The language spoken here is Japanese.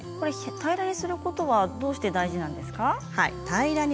平らにすることはどうして大事なんですか？